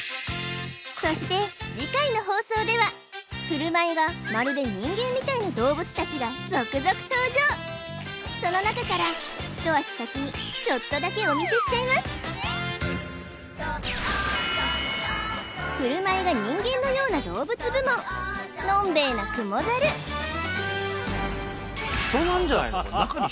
そして次回の放送では振る舞いがまるで人間みたいな動物たちが続々登場その中から一足先にちょっとだけお見せしちゃいます人なんじゃないの？